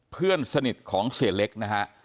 เพื่อนสนิทของเสียเล็กนะฮะ